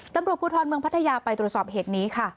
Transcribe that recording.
ตำรวจภูทรเมืองพัทยาไปตรวจสอบเหตุนี้ค่ะ